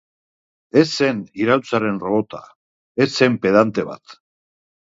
Ez zen iraultzaren robota, ez zen pedante bat.